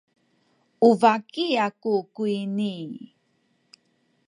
u baki aku kuyni.